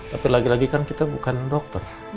tapi lagi lagi kan kita bukan dokter